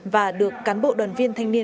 và được cán bộ đoàn viên thanh niên